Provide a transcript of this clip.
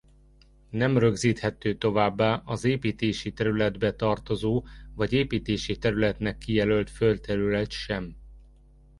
Nem rögzíthető továbbá az építési területbe tartozó vagy építési területnek kijelölt földterület sem.